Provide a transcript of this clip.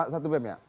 satu bem ya